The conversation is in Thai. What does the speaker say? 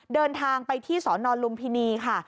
เดินทางไปที่สนลุมพินีค่ะ